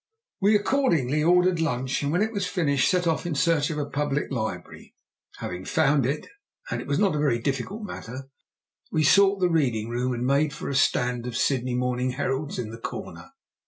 We accordingly ordered lunch, and, when it was finished, set off in search of a public library. Having found it and it was not a very difficult matter we sought the reading room and made for a stand of Sydney Morning Heralds in the corner.